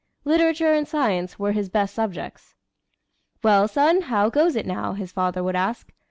Literature and science were his best subjects. "Well, son, how goes it now?" his father would ask.